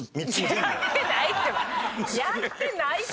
やってないってば！